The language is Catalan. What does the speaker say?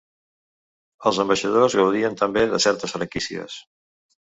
Els ambaixadors gaudien també de certes franquícies.